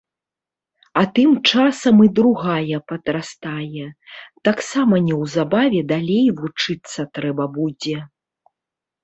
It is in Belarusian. А тым часам і другая падрастае, таксама неўзабаве далей вучыцца трэба будзе.